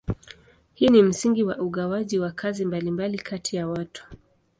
Hii ni msingi wa ugawaji wa kazi mbalimbali kati ya watu.